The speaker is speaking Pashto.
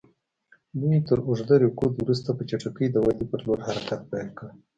دوی تر اوږده رکود وروسته په چټکۍ د ودې پر لور حرکت پیل کړ.